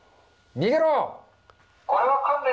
逃げろ。